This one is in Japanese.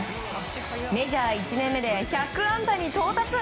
メジャー１年目で１００安打に到達。